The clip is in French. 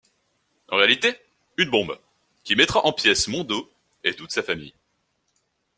En réalité, une bombe, qui mettra en pièce Mondo et toute sa famille.